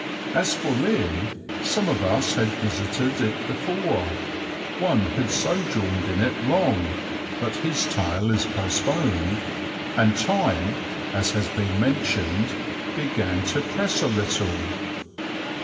As for Lynn, some of us had visited it before, one had sojourned in it long (but his tale is postponed), and time, as has been mentioned, began to press a little.